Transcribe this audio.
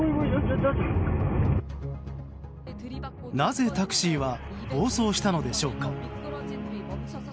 なぜタクシーは暴走したのでしょうか。